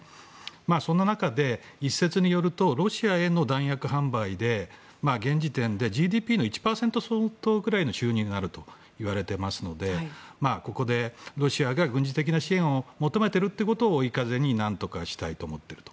そんな中で、一説によるとロシアへの弾薬販売で現時点でＧＤＰの１％相当ぐらいの収入があるといわれていますのでここでロシアが軍事的な支援を求めていることを追い風に何とかしたいと思っていると。